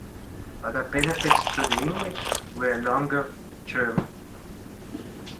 Other benefits to the English were longer term.